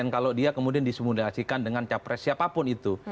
kalau dia kemudian disemudasikan dengan capres siapapun itu